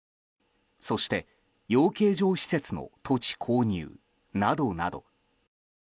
そして養鶏場施設の土地購入などなど。